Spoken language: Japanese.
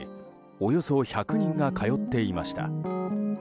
およそ１００人が通っていました。